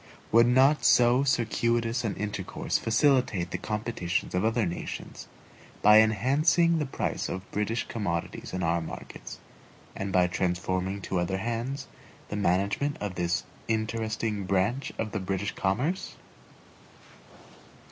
Would not so circuitous an intercourse facilitate the competitions of other nations, by enhancing the price of British commodities in our markets, and by transferring to other hands the management of this interesting branch of the British commerce?